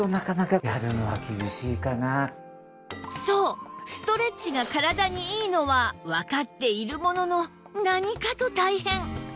そうストレッチが体にいいのはわかっているものの何かと大変